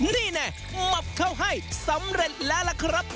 นี่แน่หมับเข้าให้สำเร็จแล้วล่ะครับ